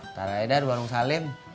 ntar aja deh di warung salim